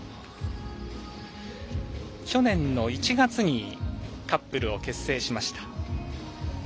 去年の１月にカップルを結成しました。